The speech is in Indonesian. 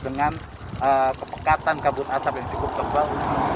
dengan kepekatan kabut asap yang cukup tebal